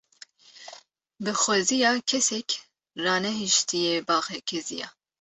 Bi xweziya kesek ranehîştiye baxê keziya